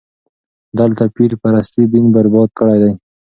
دلته پير پرستي دين برباد کړی دی.